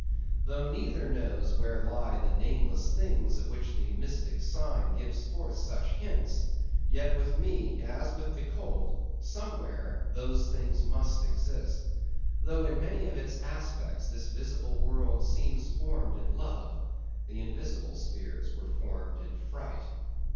Though neither knows where lie the nameless things of which the mystic sign gives forth such hints; yet with me, as with the colt, somewhere those things must exist. Though in many of its aspects this visible world seems formed in love, the invisible spheres were formed in fright.